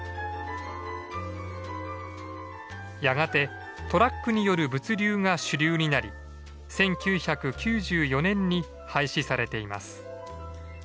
やがてトラックによる物流が主流になり１９９４年に廃止されています。